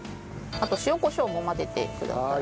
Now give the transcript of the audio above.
あと塩コショウも混ぜてください。